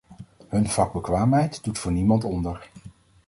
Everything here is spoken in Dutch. Hun vakbekwaamheid doet voor niemand onder.